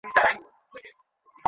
নীলু হাসতে হাসতে উঠে চলে গেল।